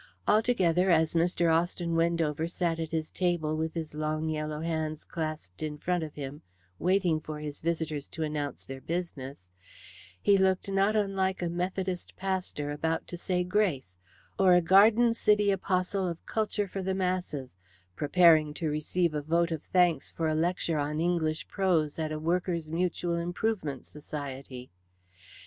Altogether, as Mr. Austin Wendover sat at his table with his long yellow hands clasped in front of him waiting for his visitors to announce their business, he looked not unlike a Methodist pastor about to say grace, or a Garden City apostle of culture for the masses preparing to receive a vote of thanks for a lecture on English prose at a workers' mutual improvement society.